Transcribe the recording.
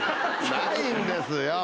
ないんですよ。